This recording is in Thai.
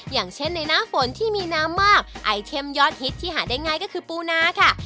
อย่างเช่นในหน้าฝนที่มีน้ำมากไอเทมยอดฮิตที่หาได้ง่ายก็คือปูนาค่ะ